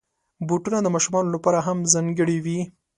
بوټونه د ماشومانو لپاره هم ځانګړي وي.